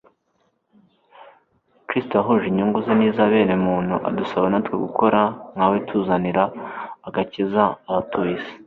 Kristo yahuje inyungu ze n'iza bene muntu, adusaba natwe gukora nka we tuzanira agakiza abatuye isi.